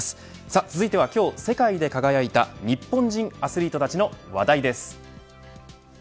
続いては今日、世界で輝いた日本人アスリートたちの話題です。